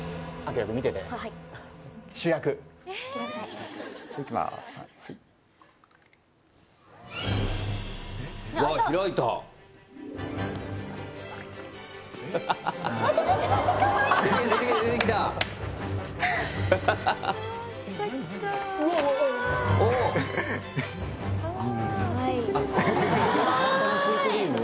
葉っぱのシュークリーム？